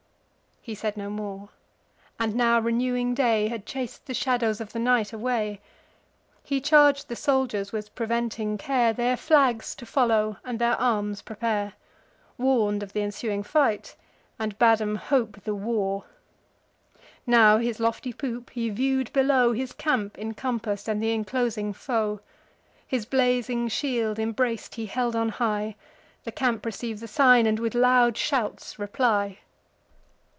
He said no more. And now renewing day Had chas'd the shadows of the night away. He charg'd the soldiers, with preventing care, Their flags to follow, and their arms prepare; Warn'd of th' ensuing fight, and bade 'em hope the war. Now, his lofty poop, he view'd below His camp incompass'd, and th' inclosing foe. His blazing shield, imbrac'd, he held on high; The camp receive the sign, and with loud shouts reply.